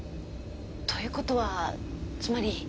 ということはつまり。